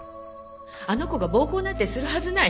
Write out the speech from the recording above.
あの子が暴行なんてするはずない。